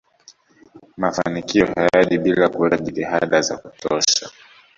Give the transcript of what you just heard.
mafanikio hayaji bila kuweka jitihada za kutosha